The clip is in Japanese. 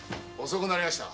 遅くなりやした。